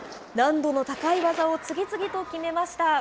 難度の高い技を次々と決めました。